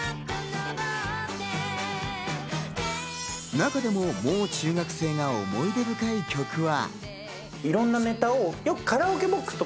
中でも、もう中学生が思い出深い曲は。